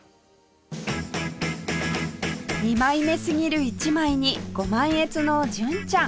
二枚目すぎる１枚にご満悦の純ちゃん